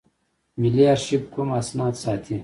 ملي آرشیف کوم اسناد ساتي؟